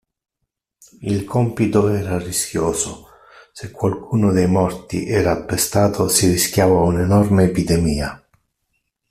Il compito era rischioso: se qualcuno dei morti era appestato, si rischiava un'enorme epidemia.